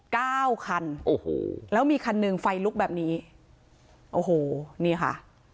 เก้าคันโอ้โหแล้วมีคันหนึ่งไฟลุกแบบนี้โอ้โหนี่ค่ะ